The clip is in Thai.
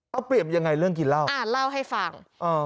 เอาเปรียบยังไงเรื่องกินเหล้าอ่าเล่าให้ฟัง